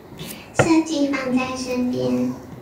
設計放在身邊